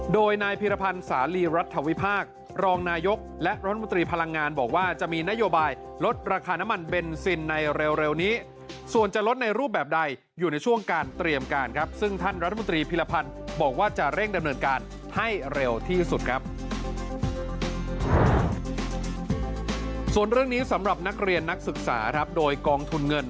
โดยนายพิรพันธ์สาลีรัฐวิภาครองนายกและรัฐมนตรีพลังงานบอกว่าจะมีนโยบายลดราคาน้ำมันเบนซินในเร็วนี้ส่วนจะลดในรูปแบบใดอยู่ในช่วงการเตรียมการครับซึ่งท่านรัฐมนตรีพิรพันธ์บอกว่าจะเร่งดำเนินการให้เร็วที่สุดครับส่วนเรื่องนี้สำหรับนักเรียนนักศึกษาครับโดยกอง